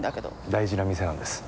大事な店なんです。